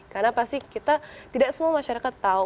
karena pasti kita tidak semua masyarakat tahu